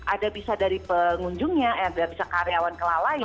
ada bisa dari pengunjungnya ada bisa karyawan kelalaian